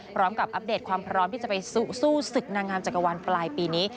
อัปเดตความพร้อมที่จะไปสู้ศึกนางงามจักรวรรณปลายปีนี้